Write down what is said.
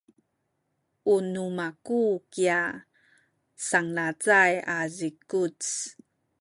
u nu maku kya sanglacay a zikuc.